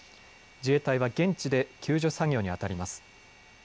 自衛隊は現地で救助作業にあたります。